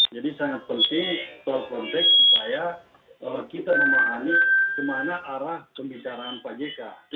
jadi sangat penting konteks supaya kita memahami ke mana arah pembicaraan pak jk